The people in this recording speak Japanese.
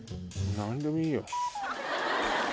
何でもいいよ。